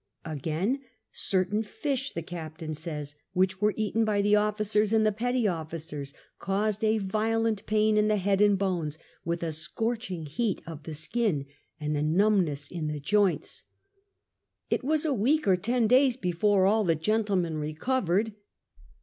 Again, certain fish, the captain says, which were eaten by the officers and the petty officers caused a violent pain in the head and bones, with a scorching heat of the skin and a numbness in the joints. ''It was a week or ten days before all the gentlemen recovered."